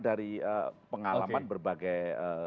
dari pengalaman berbagai